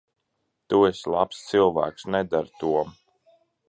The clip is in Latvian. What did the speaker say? Tu esi labs cilvēks. Nedari to.